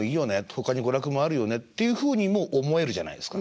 ほかに娯楽もあるよねっていうふうにも思えるじゃないですか。